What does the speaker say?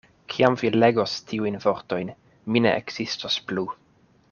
Kiam vi legos tiujn vortojn, mi ne ekzistos plu.